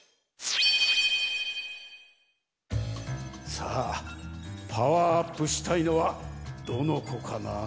さあパワーアップしたいのはどのこかなあ？